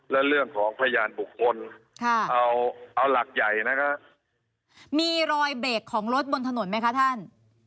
และเรื่องของพยานบุคคลเอาหลักใหญ่นะคะมีรอยเบรกของรถบนถนนไหมคะท่าน